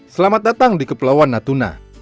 selamat datang di kepulauan natuna